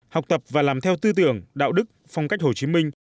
học tập và làm theo tư tưởng đạo đức phong cách hồ chí minh